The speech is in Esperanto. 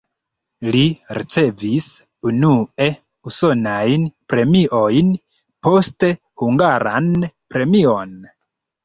Li ricevis unue usonajn premiojn, poste hungaran premion.